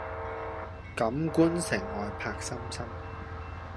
錦官城外柏森森